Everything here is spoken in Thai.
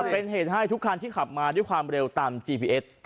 เป็นเหตุให้ทุกคันที่ขับมาด้วยความเร็วตามจีพีเอส